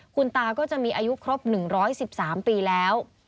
คุณตาก็จะมีอายุครบ๑๑๓ปีแล้ว